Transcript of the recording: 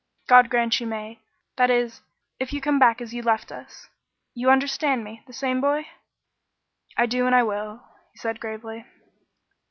"God grant you may; that is, if you come back as you left us. You understand me? The same boy?" "I do and I will," he said gravely.